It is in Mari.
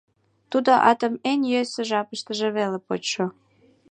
Тудо атым эн йӧсӧ жапыштыже веле почшо...